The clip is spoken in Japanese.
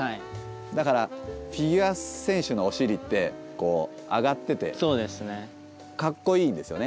だからフィギュア選手のお尻ってこう上がっててかっこいいんですよね。